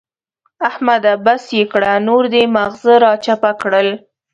احمده! بس يې کړه نور دې ماغزه را چپه کړل.